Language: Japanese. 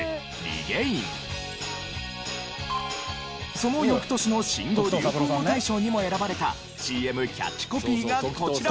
その翌年の新語・流行語大賞にも選ばれたＣＭキャッチコピーがこちら！